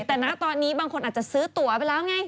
แต่นะตอนนี้บางคนอาจจะซื้อตัวไปแล้วไง